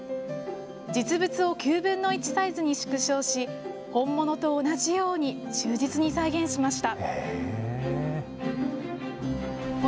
実物を９分の１サイズに縮小し、本物と同じように忠実に再現しました。